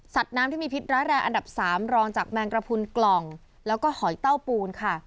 น้ำที่มีพิษร้ายแรงอันดับ๓รองจากแมงกระพุนกล่องแล้วก็หอยเต้าปูนค่ะ